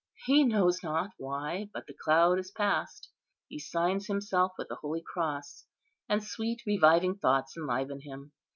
He knows not why, but the cloud is past. He signs himself with the holy cross, and sweet reviving thoughts enliven him.